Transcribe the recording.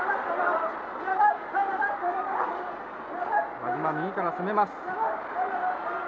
輪島、右から攻めます。